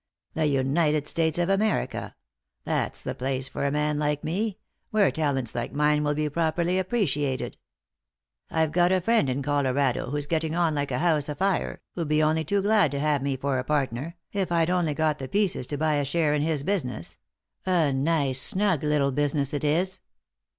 The United States of America — that's the place for a man like me, where talents like mine will be properly appreciated. I've got a friend in Colorado who's getting on like a house afire, who'd be only too glad to have me for a partner, if I'd only got the pieces to buy a share in his business — a nice, snug little business it is.